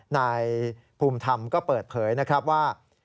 นายภูมิธรรมก็เปิดเผยนะครับว่า